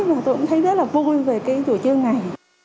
và tôi cũng thấy rất là vui về cái chủ chương này